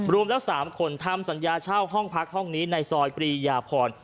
รวมแล้ว๓คนทำสัญญาเช่าห้องพักห้องนี้ในซอยปรียาพร